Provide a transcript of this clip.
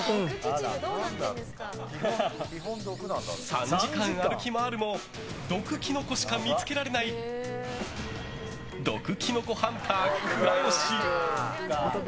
３時間歩き回るも毒キノコしか見つけられない毒キノコハンター倉由。